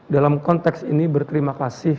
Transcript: dalam konteks ini berterima kasih